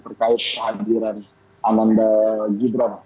terkait kehadiran ananda gibran